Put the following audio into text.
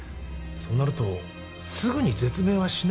そうなるとすぐに絶命はしないでしょう。